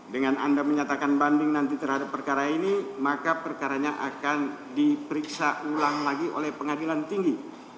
dengan anda menyatakan banding nanti terhadap perkara ini maka perkaranya akan diperiksa ulang lagi oleh pengadilan tinggi